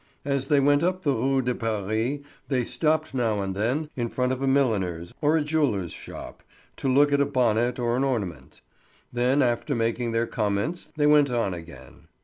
As they went up the Rue de Paris they stopped now and then in front of a milliner's or a jeweller's shop, to look at a bonnet or an ornament; then after making their comments they went on again.